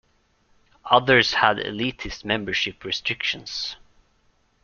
Others had elitist membership restrictions.